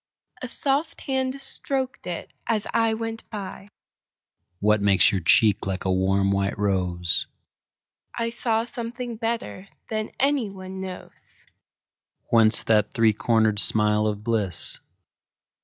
A soft hand strok'd it as I went by. What makes your cheek like a warm white rose?I saw something better than any one knows. Whence that three corner'd smile of bliss?